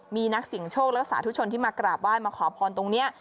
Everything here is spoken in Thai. มีนักเสียงโชคและสาธุชนที่มากราบไหว้มาขอพรตรงนี้